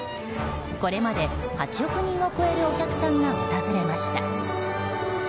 これまで８億人を超えるお客さんが訪れました。